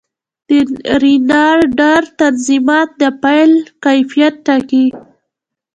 د رېنډر تنظیمات د فایل کیفیت ټاکي.